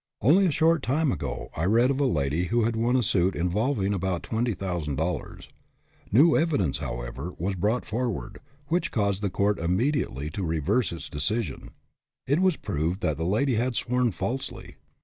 Only a short time ago I read of a lady who had won a suit involving about $20,000. New evidence, how ever, was brought forward, which caused the court immediately to reverse its decision. It was proved that the lady had sworn falsely.